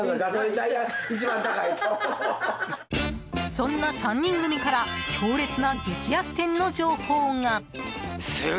そんな３人組から強烈な激安店の情報が。